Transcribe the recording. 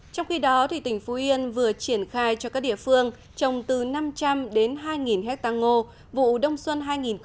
trong khi đó tỉnh phú yên vừa triển khai cho các địa phương trồng từ năm trăm linh đến hai hectare ngô vụ đông xuân hai nghìn một mươi chín hai nghìn hai mươi